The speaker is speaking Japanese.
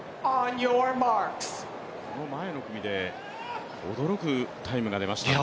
この前の組で驚くタイムが出ましたので。